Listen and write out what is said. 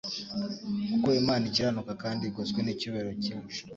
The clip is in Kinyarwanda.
Kuko Imana ikiranuka kandi igoswe n'icyubahiro cyinshi,